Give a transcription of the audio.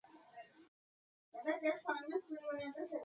তাহলে, তোমার আমার প্রতি আরেকটু কৃতজ্ঞতা জ্ঞাপন করা উচিত।